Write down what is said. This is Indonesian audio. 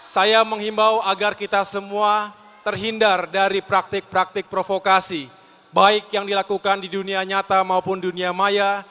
saya menghimbau agar kita semua terhindar dari praktik praktik provokasi baik yang dilakukan di dunia nyata maupun dunia maya